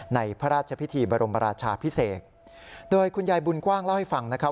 ในพระราชพิธีบรมราชาพิเศษโดยคุณยายบุญกว้างเล่าให้ฟังนะครับ